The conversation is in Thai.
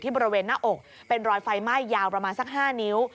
บริเวณหน้าอกเป็นรอยไฟไหม้ยาวประมาณสัก๕นิ้ว